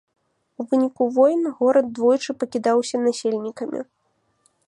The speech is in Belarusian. У выніку войн горад двойчы пакідаўся насельнікамі.